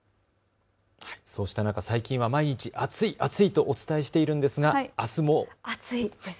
そうした中、最近は毎日暑い暑いとお伝えしていますが、あすも暑いです。